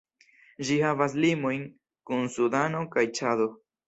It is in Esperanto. Ĝi havas limojn kun Sudano kaj Ĉado.